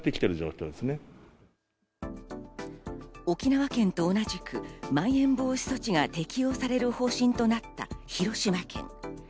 沖縄県と同じく、まん延防止措置が適用される方針となった広島県。